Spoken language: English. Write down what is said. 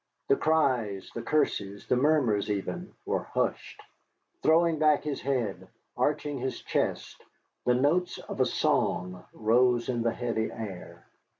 The cries, the curses, the murmurs even, were hushed. Throwing back his head, arching his chest, the notes of a song rose in the heavy air.